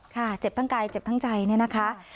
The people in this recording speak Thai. เจ็บทั้งกายเจ็บทั้งใจเนี่ยนะคะ